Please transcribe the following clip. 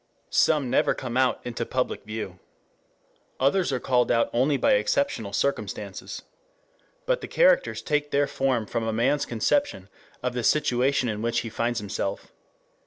Some never come out into public view. Others are called out only by exceptional circumstances. But the characters take their form from a man's conception of the situation in which he finds himself.